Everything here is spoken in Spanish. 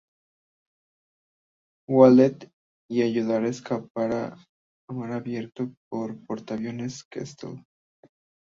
Hewlett y ayudar a escapar a mar abierto el portaaviones Kestrel.